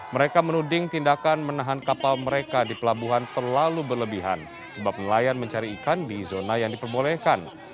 mereka menuding tindakan menahan kapal mereka di pelabuhan terlalu berlebihan sebab nelayan mencari ikan di zona yang diperbolehkan